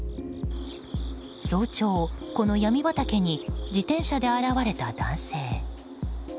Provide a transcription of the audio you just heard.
早朝にこのヤミ畑に自転車で現れた男性。